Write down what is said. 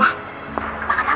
udah makan apa